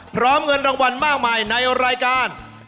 เงินรางวัลมากมายในรายการ